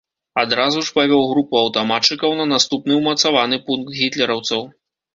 Адразу ж, павёў групу аўтаматчыкаў на наступны ўмацаваны пункт гітлераўцаў.